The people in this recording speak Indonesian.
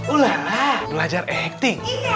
ulala belajar acting